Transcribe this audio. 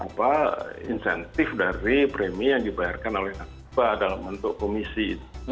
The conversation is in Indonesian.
apa insentif dari premi yang dibayarkan oleh narkoba dalam bentuk komisi